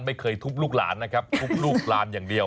ไม่เคยทุบลูกหลานนะครับทุบลูกหลานอย่างเดียว